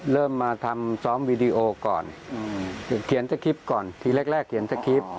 เริ่มมาทำซ้อมวีดีโอก่อนเขียนสคริปต์ก่อนทีแรกแรกเขียนสคริปต์